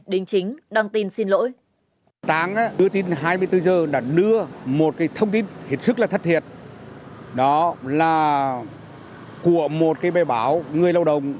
đến chính đăng tin xin lỗi